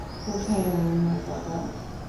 কোথায় আমার বাবা?